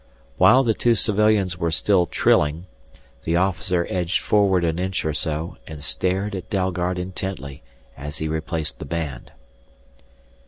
While the two civilians were still trilling, the officer edged forward an inch or so and stared at Dalgard intently as he replaced the band.